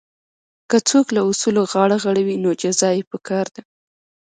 که څوک له اصولو غاړه غړوي نو جزا یې پکار ده.